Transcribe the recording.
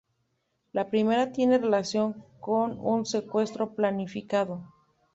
La primera tiene relación con un secuestro planificado.